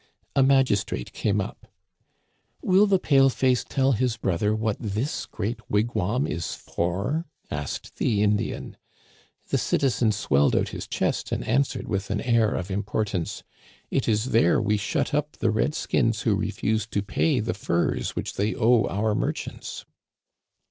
A magistrate came up. "* Will the pale face tell his brother what this great wigwam is for ?' asked the Indian. The citizen swelled out his chest and answered with an air of importance : Digitized by VjOOQIC 1^8 THE CANADIANS OF OLD, "* It is there we shut up the red skins who refuse to pay the furs which they owe our merchants.'